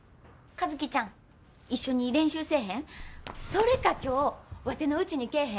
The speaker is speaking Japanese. それか今日ワテのうちに来えへん？